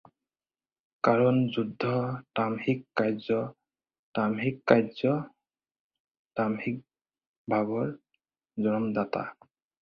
কাৰণ যুদ্ধ তামসিক কাৰ্য্য, তামসিক কাৰ্য্য তামসিক ভাৱৰ জন্মদাতা।